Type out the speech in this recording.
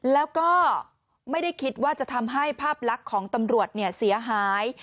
แล้วก็ไม่ได้คิดว่าจะทำให้ภาพลักษณ์ของตำรวจเสียหาย